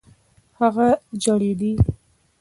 هغه ژړېدی .